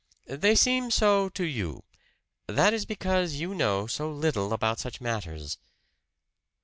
"They seem so to you. That is because you know so little about such matters."